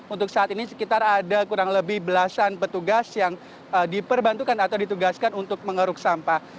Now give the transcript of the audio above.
untuk saat ini sekitar ada kurang lebih belasan petugas yang diperbantukan atau ditugaskan untuk mengeruk sampah